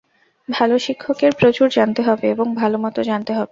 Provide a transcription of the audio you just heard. ভাল শিক্ষকের প্রচুর জানতে হবে এবং ভালমতো জানতে হবে।